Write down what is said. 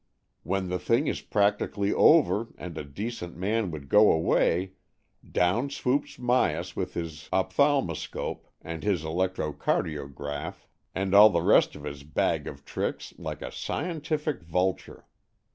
When the thing is practically over, and a decent man would go away, down swoops Myas with his ophthalmoscope and his electro cardiograph and all the rest of his bag of tricks, like a scientific vulture.